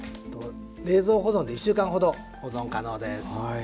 冷蔵保存で１週間ほど保存可能です。